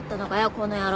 この野郎！